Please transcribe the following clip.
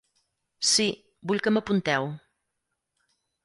Sí, vull que m'apunteu.